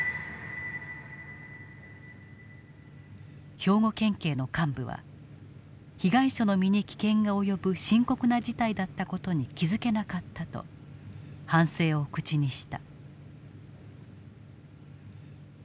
兵庫県警の幹部は被害者の身に危険が及ぶ深刻な事態だった事に気付けなかったと反省を口にした。